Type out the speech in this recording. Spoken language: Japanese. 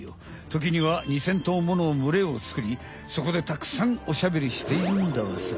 ときには２，０００とうもの群れをつくりそこでたくさんおしゃべりしているんだわさ。